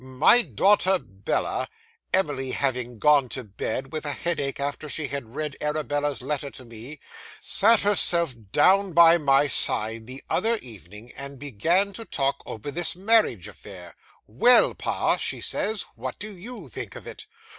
My daughter Bella Emily having gone to bed with a headache after she had read Arabella's letter to me sat herself down by my side the other evening, and began to talk over this marriage affair. "Well, pa," she says, "what do you think of it?"